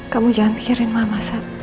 kamu jangan pikirin mama